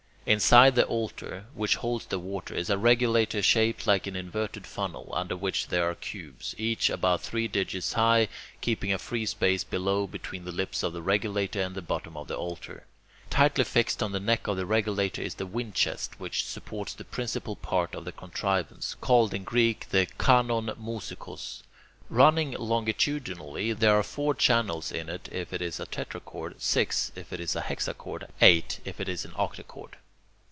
Inside the altar, which holds the water, is a regulator shaped like an inverted funnel, under which there are cubes, each about three digits high, keeping a free space below between the lips of the regulator and the bottom of the altar. Tightly fixed on the neck of the regulator is the windchest, which supports the principal part of the contrivance, called in Greek the [Greek: kanon mousikos]. Running longitudinally, there are four channels in it if it is a tetrachord; six, if it is a hexachord; eight, if it is an octachord.